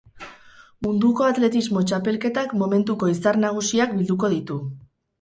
Munduko atletismo txapelketak momentuko izar nagusiak bilduko ditu.